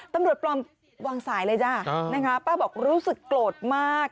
ตำรวจปลอมวางสายเลยจ้ะนะคะป้าบอกรู้สึกโกรธมาก